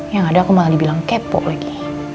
yang ada aku malah dibilang kepo lagi